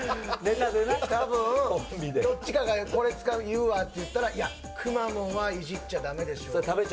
たぶんどっちかがこれ使う、言うわって言ったら、いや、くまモンはいじっちゃだめでしょって。